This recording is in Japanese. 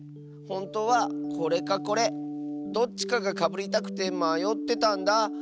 ほんとうはこれかこれどっちかがかぶりたくてまよってたんだ。